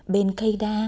bên cây đa